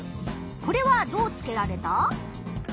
これはどうつけられた？